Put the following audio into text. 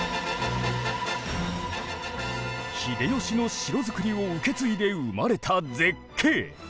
秀吉の城造りを受け継いで生まれた絶景。